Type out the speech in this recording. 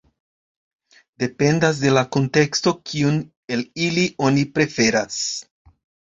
Dependas de la kunteksto, kiun el ili oni preferas.